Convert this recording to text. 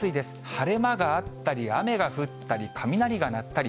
晴れ間があったり、雨が降ったり、雷が鳴ったり。